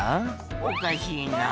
おかしいな」